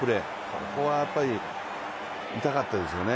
ここはやっぱり痛かったですよね、